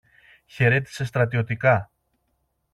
χαιρέτησε στρατιωτικά.